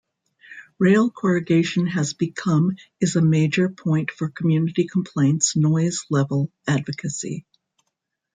Rail corrugation has become is a major point for community complaints noise level advocacy.